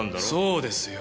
そうですよ。